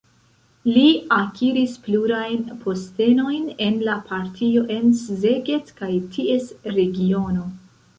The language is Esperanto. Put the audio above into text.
Li akiris plurajn postenojn en la partio en Szeged kaj ties regiono.